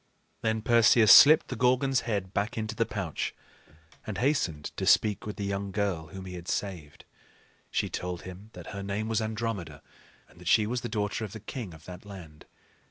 Then Perseus slipped the Gorgon's head back into the pouch and hastened to speak with the young girl whom he had saved. She told him that her name was Andromeda, and that she was the daughter of the king of that land.